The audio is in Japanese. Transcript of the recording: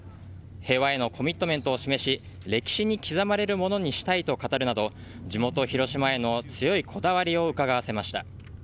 平和へのコミットメントを示し歴史に刻まれるものにしたいと語るなど地元・広島への強いこだわりをうかがわせました。